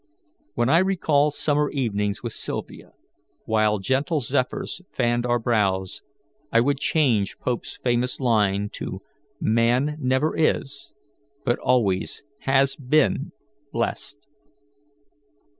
When I recall summer evenings with Sylvia, while gentle zephyrs fanned our brows, I would change Pope's famous line to 'Man never is, but always HAS BEEN blessed.'"